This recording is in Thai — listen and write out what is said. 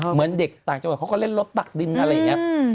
เหมือนเด็กต่างจังหวัดเขาก็เล่นรถตักดินอะไรอย่างนี้